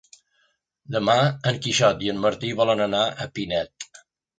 Demà en Quixot i en Martí volen anar a Pinet.